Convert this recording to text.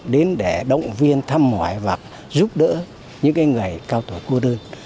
đến để động viên thăm mỏi và giúp đỡ những người cao tuổi cô đơn